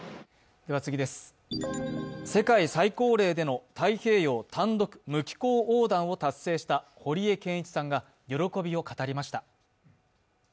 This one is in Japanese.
世界最高齢での太平洋単独無寄港横断を達成した堀江謙一さんが喜びを語りました。